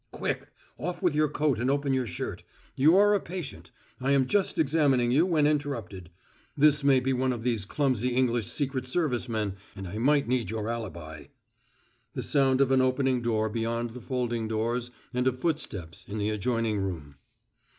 "Quick! Off with your coat and open your shirt. You are a patient; I am just examining you when interrupted. This may be one of these clumsy English secret service men, and I might need your alibi." The sound of an opening door beyond the folding doors and of footsteps in the adjoining room.